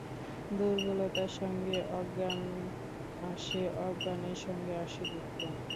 দুর্বলতার সঙ্গে অজ্ঞান আসে, অজ্ঞানের সঙ্গে আসে দুঃখ।